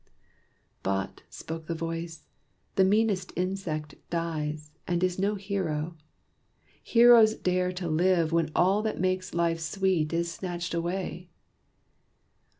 "But," spoke the voice, "the meanest insect dies, And is no hero! heroes dare to live When all that makes life sweet is snatched away."